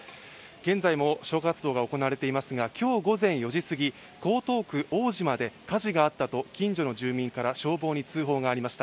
現在も消火活動が行われていますが今日午前４時すぎ、江東区大島で火事があったと近所の住民から消防に通報がありました。